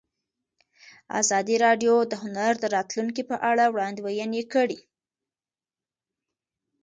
ازادي راډیو د هنر د راتلونکې په اړه وړاندوینې کړې.